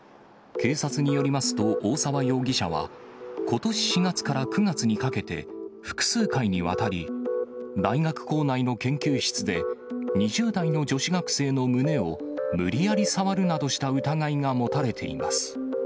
警察によりますと大沢容疑者は、ことし４月から９月にかけて複数回にわたり、大学構内の研究室で、２０代の女子学生の胸を無理やり触るなどした疑いが持たれています。